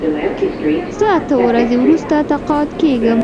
زه اته ورځې وروسته تقاعد کېږم.